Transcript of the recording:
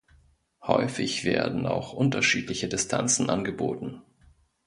Häufig werden auch unterschiedliche Distanzen angeboten.